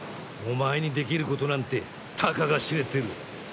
お前にできる事なんてたかが知れてる。